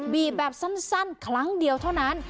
บีบแบบสั้นครั้งเดียวเท่านั้น